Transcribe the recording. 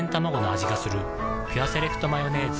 「ピュアセレクトマヨネーズ」